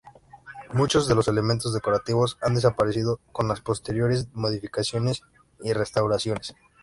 Muchos de los elementos decorativos han desaparecido con las posteriores modificaciones y restauraciones.